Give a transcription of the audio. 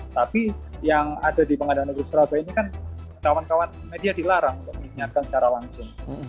tapi yang ada di pengadilan negeri surabaya ini kan kawan kawan media dilarang untuk mengingatkan secara langsung